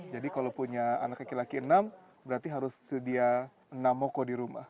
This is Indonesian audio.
jadi kalau punya anak laki laki enam berarti harus sedia enam moko di rumah